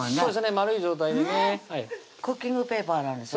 円い状態でねクッキングペーパーなんですよ